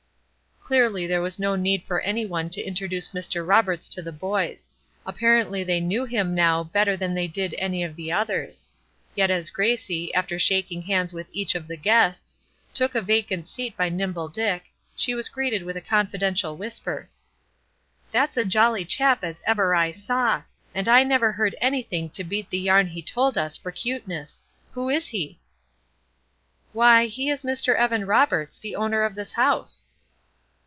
Clearly there was no need for any one to introduce Mr. Roberts to the boys; apparently they knew him now better than they did any of the others. Yet as Gracie, after shaking hands with each of the guests, took a vacant seat by Nimble Dick, she was greeted with a confidential whisper: "That's a jolly chap as ever I saw; and I never heard anything to beat the yarn he told us, for cuteness. Who is he?" "Why, he is Mr. Evan Roberts, the owner of this house."